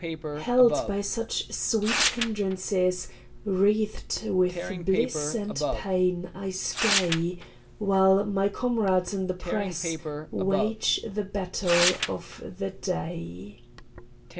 Held by such sweet hindrances, Wreathed with bliss and pain, I stay, While my comrades in the press Wage the battle of the day.